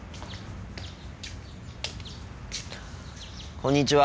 こんにちは。